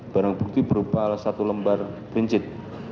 barang bukti berupa satu lembar rincit